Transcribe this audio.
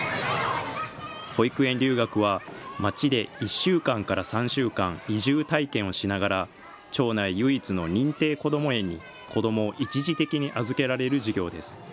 保育園留学は、町で１週間から３週間、移住体験をしながら、町内唯一の認定こども園に子どもを一時的に預けられる事業です。